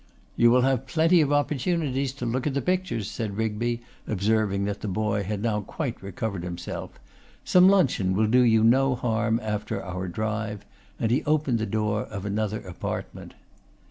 'You will have plenty of opportunities to look at the pictures,' said Rigby, observing that the boy had now quite recovered himself. 'Some luncheon will do you no harm after our drive;' and he opened the door of another apartment.